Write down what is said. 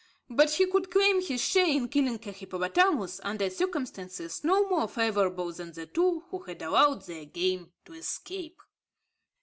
But he could claim his share in killing a hippopotamus under circumstances no more favourable than the two who had allowed their game to escape.